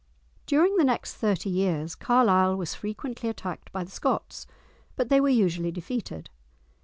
During the next thirty years Carlisle was frequently attacked by the Scots, but they were usually defeated.